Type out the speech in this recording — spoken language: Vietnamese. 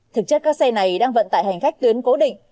thực chất các xe này đang vận tải hành khách tuyến cố định